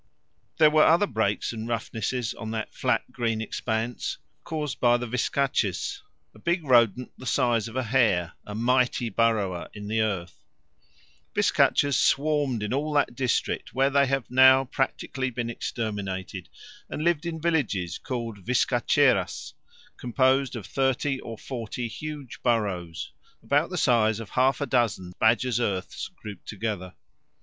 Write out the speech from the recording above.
There were other breaks and roughnesses on that flat green expanse caused by the vizcachas, a big rodent the size of a hare, a mighty burrower in the earth. Vizcachas swarmed in all that district where they have now practically been exterminated, and lived in villages, called vizcacheras, composed of thirty or forty huge burrows about the size of half a dozen badgers' earths grouped together.